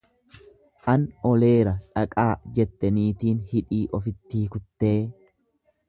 An oleera dhaqaa jette niitiin hidhii ofittii kuttee.